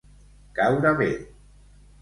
Caure bé.